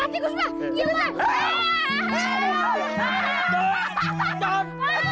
papamu memang hebat hari mau dicoklat